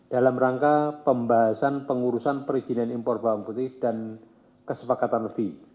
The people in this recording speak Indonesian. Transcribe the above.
dalam rangka pembahasan pengurusan perizinan impor bawang putih dan kesepakatan v